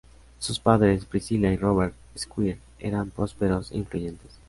Sus padres, Priscilla y Robert Squire, eran prósperos e influyentes.